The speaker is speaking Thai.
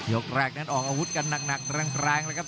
กแรกนั้นออกอาวุธกันหนักแรงเลยครับ